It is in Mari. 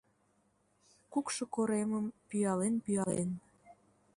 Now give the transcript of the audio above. Кукшо коремым пӱялен-пӱялен